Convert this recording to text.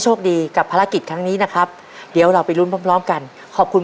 ๖ตัวเชียร์ขนาดไหน๕